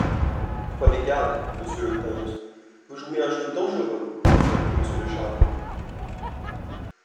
Prenez garde, monsieur le comte ! vous jouez un jeu dangereux, reprit Monsieur de Charny.